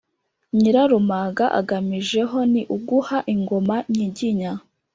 Nyirarumaga agamije ho ni uguha ingoma nyiginya